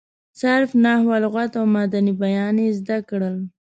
صرف، نحو، لغت او معاني بیان یې زده کړل.